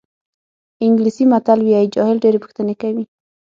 انګلیسي متل وایي جاهل ډېرې پوښتنې کوي.